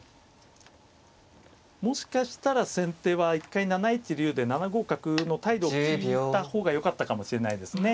もしかしたら先手は一回７一竜で７五角の態度を聞いた方がよかったかもしれないですね